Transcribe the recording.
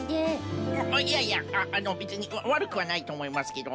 いやいやべつにわるくはないとおもいますけど。